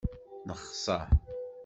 Nexṣeṛ.